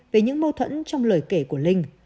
về những mâu thuẫn trong lời kể của linh